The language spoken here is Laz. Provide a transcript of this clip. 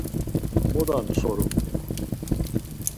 Moda ntsorum? ya.